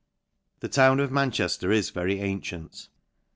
The town of Manchejler is very antient.